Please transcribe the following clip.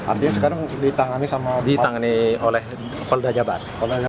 artinya sekarang ditangani oleh polda jawa barat